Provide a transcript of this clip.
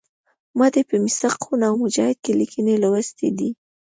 ما دې په میثاق خون او مجاهد کې لیکنې لوستي دي.